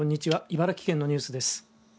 茨城県のニュースです。